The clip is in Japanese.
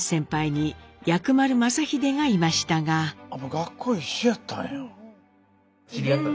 学校一緒やったんや。